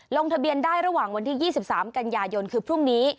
ลงทะเบียนได้ระหว่างวันที่๒๓กันยายนคือพรุ่งนี้